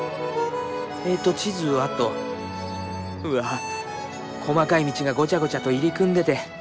えと地図はとうわっ細かい道がごちゃごちゃと入り組んでて。